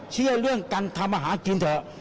เชื่อเรื่องการทำอาหารกินเถอะ